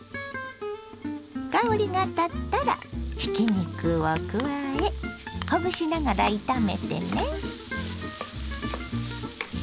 香りが立ったらひき肉を加えほぐしながら炒めてね。